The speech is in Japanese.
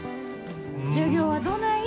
授業はどない？